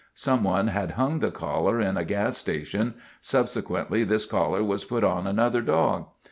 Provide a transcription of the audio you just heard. Someone had hung the collar in a gas station. Subsequently this collar was put on another dog.